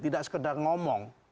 tidak sekedar ngomong